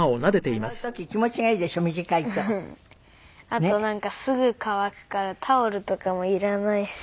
あとなんかすぐ乾くからタオルとかもいらないし。